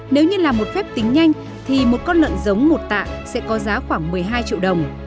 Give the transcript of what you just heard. nếu như làm một phép tính nhanh thì một con lợn giống một tạ sẽ có giá khoảng một mươi hai triệu đồng